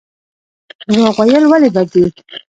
درواغ ویل ولې بد دي؟